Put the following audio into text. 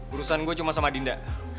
urusan gue cuma sama dinda